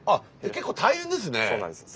結構大変ですね。